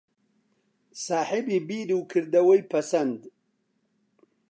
ساحێبی بیر و کردەوەی پەسەند